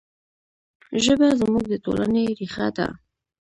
ژبه زموږ د ټولنې ریښه ده.